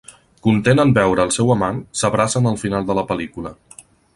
Content en veure el seu amant, s'abracen al final de la pel·lícula.